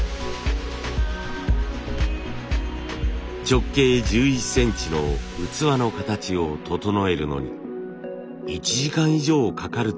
直径１１センチの器の形を整えるのに１時間以上かかるといいます。